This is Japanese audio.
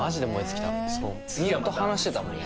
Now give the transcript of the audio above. ずっと話してたもんね。